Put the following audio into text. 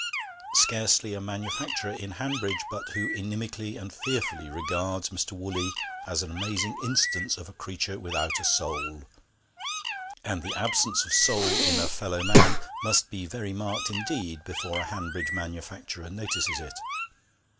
Scarcely a manufacturer in Hanbridge but who inimically and fearfully regards Mr. Woolley as an amazing instance of a creature without a soul; and the absence of soul in a fellow man must be very marked indeed before a Hanbridge manufacturer notices it.